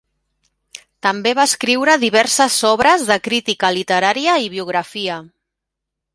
També va escriure diverses obres de crítica literària i biografia.